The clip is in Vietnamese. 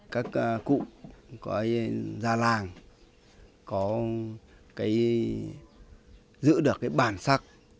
các cụ ra làng có giữ được bản sắc